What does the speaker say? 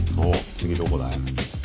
次どこだい？